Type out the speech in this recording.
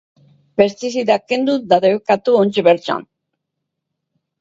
Pestizida kimiko guztiak debekatzea eta oraintxe bertan.